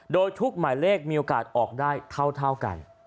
โดยทุกหมายเลขมีโอกาสออกได้เท่ากัน